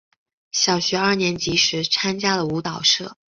小学二年级时参加了舞蹈社。